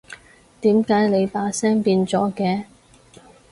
點解你把聲變咗嘅？